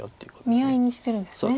見合いにしてるんですね。